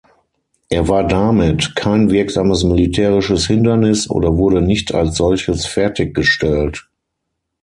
Er war damit kein wirksames militärisches Hindernis, oder wurde nicht als solches fertiggestellt.